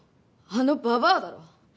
あのババアだろ？